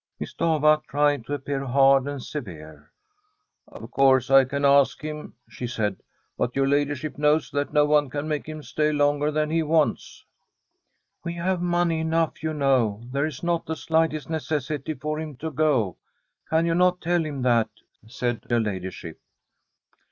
Miss Stafva tried to appear hard and severe. ' Of course, I can ask him,' she said ;* but your ladyship knows that no one can make him stay longer than he wants.' • We have money enough, you know. There is not the slightest necessity for him to go. Can you not tell him that ?' said her ladyship.